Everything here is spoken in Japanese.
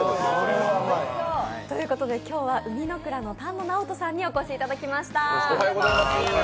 今日は雲丹ノ蔵の丹野脩斗さんにお越しいただきました。